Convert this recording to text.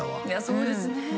そうですね